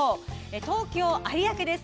東京・有明です。